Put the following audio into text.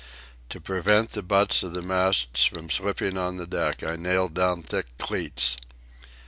To prevent the butts of the masts from slipping on the deck, I nailed down thick cleats.